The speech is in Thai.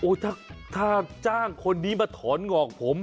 โอ้ถ้าจ้างคนนี้มาถอนเหงาอกผม